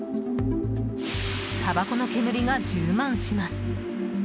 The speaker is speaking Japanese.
たばこの煙が充満します。